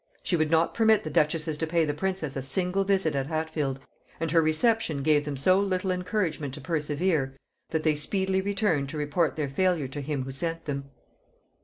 She would not permit the duchesses to pay the princess a single visit at Hatfield; and her reception gave them so little encouragement to persevere, that they speedily returned to report their failure to him who sent them.